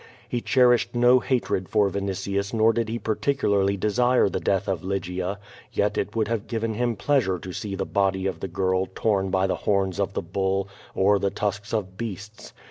lie cherished no hatred for Vinitius nor did he particularly desire the death of Lygia, yet it would have given him pleasure to see the body of the girl torn by the horns of the bull, or the tusks of beasts.